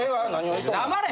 黙れ！